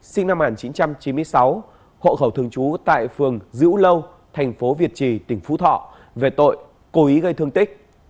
sinh năm một nghìn chín trăm chín mươi sáu hộ khẩu thường trú tại phường dữ lâu thành phố việt trì tỉnh phú thọ về tội cố ý gây thương tích